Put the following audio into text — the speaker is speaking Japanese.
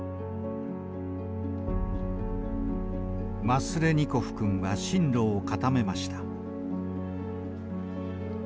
マスレニコフ君は進路を固めました。